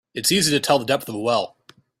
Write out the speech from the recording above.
It's easy to tell the depth of a well.